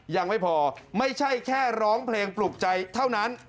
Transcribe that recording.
ยังไม่พอไม่ใช่แค่ร้องเพลงปลูกใจเท่านั้น